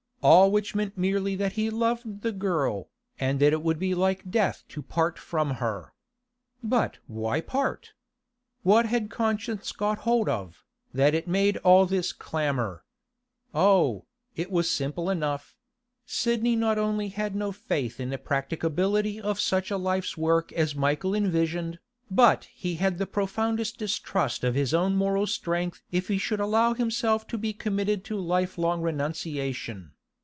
All which meant merely that he loved the girl, and that it would be like death to part from her. But why part? What had conscience got hold of, that it made all this clamour? Oh, it was simple enough; Sidney not only had no faith in the practicability of such a life's work as Michael visioned, but he had the profoundest distrust of his own moral strength if he should allow himself to be committed to lifelong renunciation.